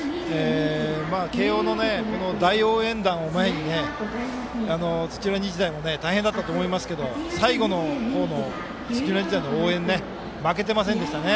慶応の大応援団を前に土浦日大も大変だったと思いますけど最後の方の土浦日大の応援負けてませんでしたね。